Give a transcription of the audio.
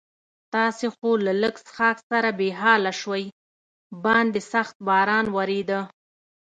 تاسې خو له لږ څښاک سره بې حاله شوي، باندې سخت باران ورېده.